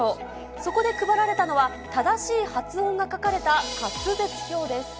そこで配られたのは、正しい発音が書かれた滑舌表です。